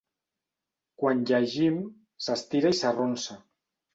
Quan llegim, s'estira i s'arronsa.